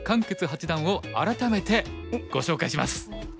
傑八段を改めてご紹介します。